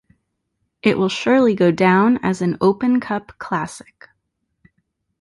It will surely go down as an Open Cup classic.